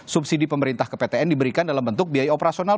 subsidi pemerintah ke ptn diberikan dalam bentuk biaya operasional